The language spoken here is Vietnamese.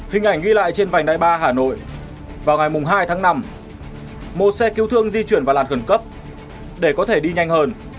hình ảnh ghi lại trên vành đai ba hà nội vào ngày hai tháng năm một xe cứu thương di chuyển vào làn gần cấp để có thể đi nhanh hơn